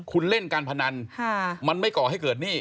คุณเล่นการพนันมันไม่ก่อให้เกิดหนี้